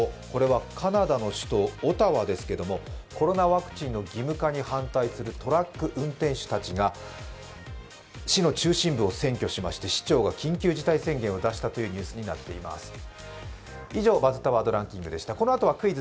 これはカナダの首都オタワですがコロナワクチンの義務化に反対するトラック運転手たちが市の中心部を占拠しまして市長が緊急事態宣言を出したというニュースになっています。